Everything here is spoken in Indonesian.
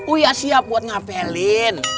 uya siap buat ngapelin